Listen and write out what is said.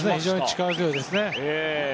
力強いですね。